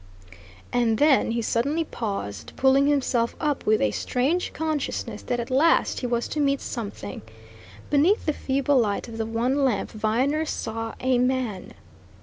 And then he suddenly paused, pulling himself up with a strange consciousness that at last he was to meet something. Beneath the feeble light of the one lamp Viner saw a man.